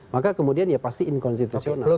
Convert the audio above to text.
maka kemudian ya pasti inkonstitusional